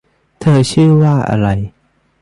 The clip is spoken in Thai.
เธอชื่อว่าอะไร